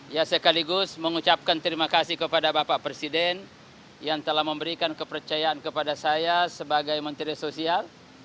ya sekaligus mengucapkan terima kasih kepada bapak presiden yang telah memberikan kepercayaan kepada saya sebagai menteri sosial